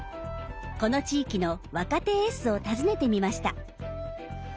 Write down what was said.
この地域の若手エースを訪ねてみました。